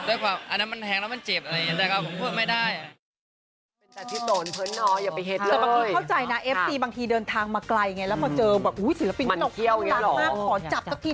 ด้วยความอันนั้นมันแท้งแล้วมันเจ็บอะไรอย่างนี้